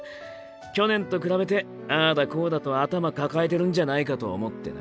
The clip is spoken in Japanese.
去年と比べてああだこうだと頭かかえてるんじゃないかと思ってな。